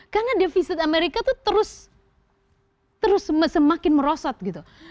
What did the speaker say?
karena defisit amerika tuh terus semakin merosot gitu